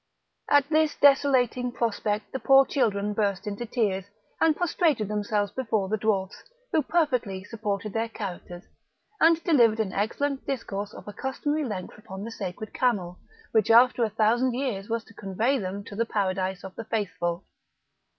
At this desolating prospect the poor children burst into tears, and prostrated themselves before the dwarfs, who perfectly supported their characters, and delivered an excellent discourse of a customary length upon the sacred camel, which after a thousand years was to convey them to the paradise of the faithful.